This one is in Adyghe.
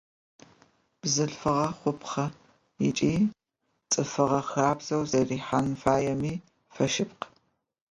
Бзылъфыгъэ хъупхъ ыкӏи цӏыфыгъэ хабзэу зэрихьэн фаеми фэшъыпкъ.